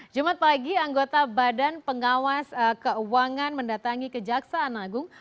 jumat pagi anggota badan pengawas keuangan mendatangi kejaksaan agung